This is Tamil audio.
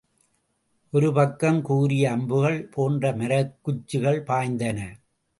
ஒரு பக்கம் கூரிய அம்புகள் போன்ற மரக்குச்சிகள் பாய்ந்தன.